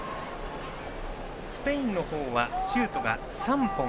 スペインの方はシュートが３本。